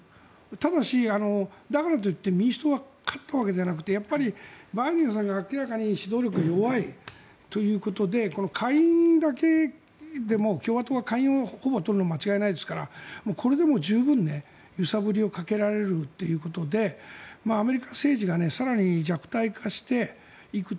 ただし、だからといって民主党は勝ったわけではなくてバイデンさんが明らかに指導力が弱いということで下院だけでも共和党は下院をほぼ取るのは間違いないですからこれでも十分、揺さぶりをかけられるということでアメリカ政治が更に弱体化していく